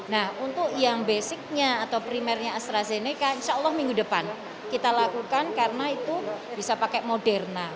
nah untuk yang basicnya atau primernya astrazeneca insya allah minggu depan kita lakukan karena itu bisa pakai moderna